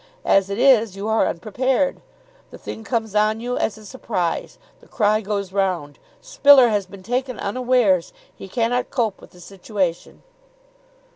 As it is, you are unprepared. The thing comes on you as a surprise. The cry goes round: 'Spiller has been taken unawares. He cannot cope with the situation.